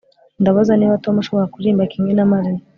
Ndabaza niba Tom ashobora kuririmba kimwe na Mariya